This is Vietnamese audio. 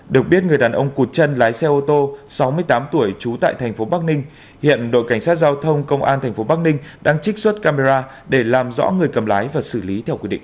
được biết người đàn ông cụt chân lái xe ô tô sáu mươi tám tuổi trú tại thành phố bắc ninh hiện đội cảnh sát giao thông công an tp bắc ninh đang trích xuất camera để làm rõ người cầm lái và xử lý theo quy định